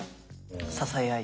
支え合い。